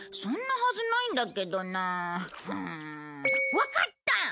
わかった！